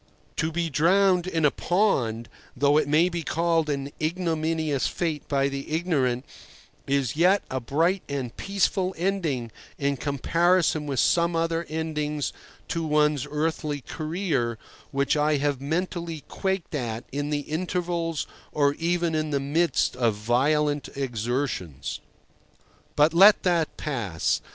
To be drowned in a pond, though it might be called an ignominious fate by the ignorant, is yet a bright and peaceful ending in comparison with some other endings to one's earthly career which I have mentally quaked at in the intervals or even in the midst of violent exertions. But let that pass.